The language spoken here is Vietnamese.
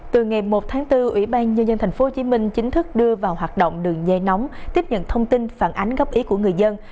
từ ngày một tháng bốn ủy ban nhân dân tp hcm chính thức đưa vào hoạt động đường dây nóng tiếp nhận thông tin phản ánh góp ý của người dân